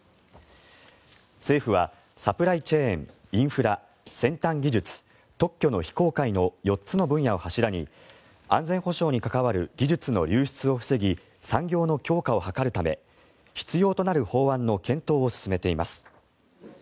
政府はサプライチェーンインフラ、先端技術特許の非公開の４つの分野を柱に安全保障に関わる技術の流出を防ぎ産業の強化を図るため必要となる法案の検討を進めています。